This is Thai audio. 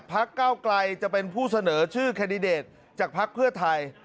เก้าไกลจะเป็นผู้เสนอชื่อแคนดิเดตจากภักดิ์เพื่อไทย